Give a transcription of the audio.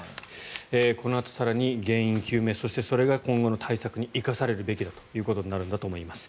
このあと、更に原因究明そしてそれが今後の対策に生かされるべきだというところになるんだと思います。